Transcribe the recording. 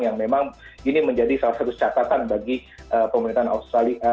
yang memang ini menjadi salah satu catatan bagi pemerintahan australia